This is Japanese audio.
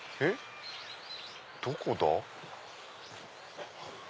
どこだ？